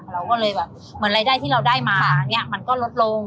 เราก็เลยแบบเหมือนรายได้ที่เราได้มาอย่างนี้มันก็ลดลง